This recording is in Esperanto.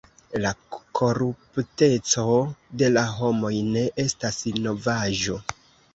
La korupteco de la homoj ne estas novaĵo.